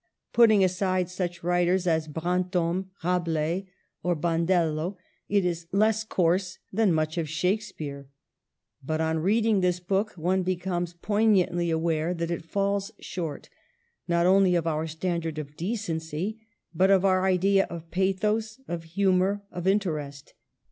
Putting aside such writers as Brantome, Rabelais, or Bandello, it is less coarse than much of Shakspeare. But on read ing this book one becomes poignantly aware that it falls short, not only of our standard of decency, but of our idea of pathos, of humor, of interest.